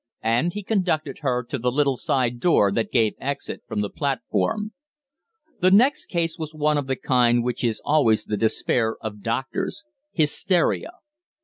And he conducted her to the little side door that gave exit from the platform. The next case was one of the kind which is always the despair of doctors hysteria.